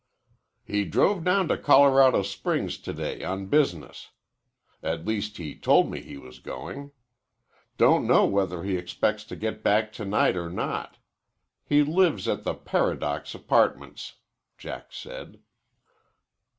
"He drove down to Colorado Springs to day on business. At least he told me he was going. Don't know whether he expects to get back to night or not. He lives at the Paradox Apartments," Jack said.